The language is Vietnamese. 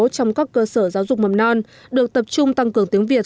trong các cơ sở giáo dục mầm non được tập trung tăng cường tiếng việt